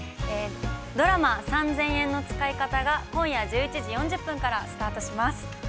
◆ドラマ「三千円の使いかた」が今夜１１時４０分からスタートします！